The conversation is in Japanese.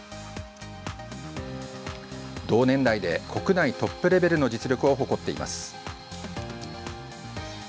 同年代で国内トップレベルの実力を誇っています。